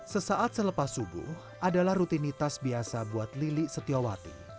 sesaat selepas subuh adalah rutinitas biasa buat lili setiawati